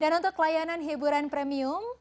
dan untuk layanan hiburan premium